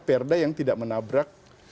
perda yang tidak menabrak